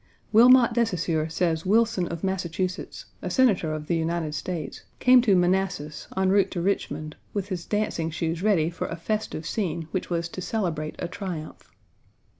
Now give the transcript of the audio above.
Wilmot de Saussure says Wilson of Massachusetts, a Senator of the United States,1 came to Manassas, en route to Richmond, with his dancing shoes ready for a festive scene which was to celebrate a triumph.